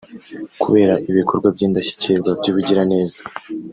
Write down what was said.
kubera ibikorwa by’indashyikirwa by’ubugiraneza